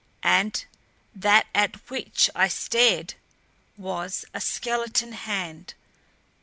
And that at which I stared was a skeleton hand.